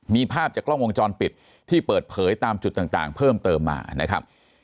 มีภาพจากกล้องวงจรปิดที่เปิดเผยตามจุดต่างเพิ่มเติมมานะครับ